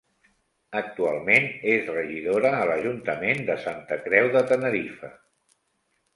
Actualment és regidora a l'Ajuntament de Santa Creu de Tenerife.